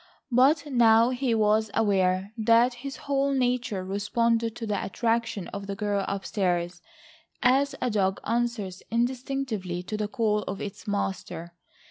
But now he was aware that his whole nature responded to the attraction of the girl upstairs, as a dog answers instinctively to the call of its master.